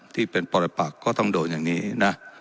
ที่เป็นปรปักก็ต้องโดนอย่างนี้นะ